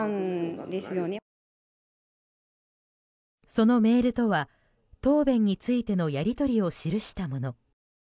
そのメールとは答弁についてのやり取りを記したもの。